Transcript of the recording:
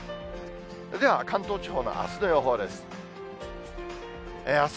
では、関東地方のあすの予報です。